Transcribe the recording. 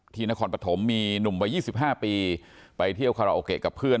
นครปฐมมีหนุ่มวัย๒๕ปีไปเที่ยวคาราโอเกะกับเพื่อน